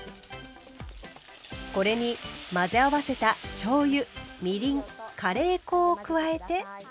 これに混ぜ合わせたしょうゆみりんカレー粉を加えて。